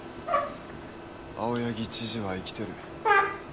青柳知事は生きてる。